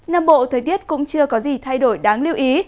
nam bộ thời tiết cũng chưa có gì thay đổi đáng lưu ý